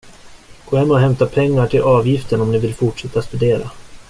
Gå hem och hämta pengar till avgiften om ni vill fortsätta studera.